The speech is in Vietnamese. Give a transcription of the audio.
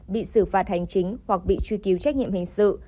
bị xử phạt hành chính hoặc bị truy cứu trách nhiệm hình sự